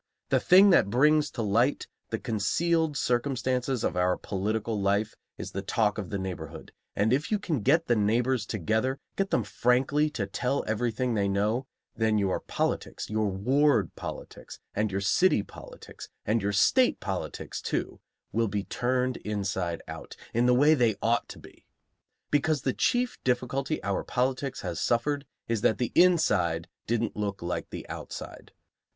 The thing that brings to light the concealed circumstances of our political life is the talk of the neighborhood; and if you can get the neighbors together, get them frankly to tell everything they know, then your politics, your ward politics, and your city politics, and your state politics, too, will be turned inside out, in the way they ought to be. Because the chief difficulty our politics has suffered is that the inside didn't look like the outside.